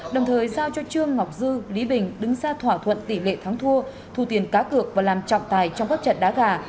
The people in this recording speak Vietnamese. đồng thời giao cho trương ngọc dư lý bình đứng ra thỏa thuận tỷ lệ thắng thua thu tiền cá cược và làm trọng tài trong các trận đá gà